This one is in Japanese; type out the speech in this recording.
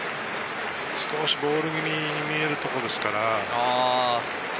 少しボール気味に見えるところですから。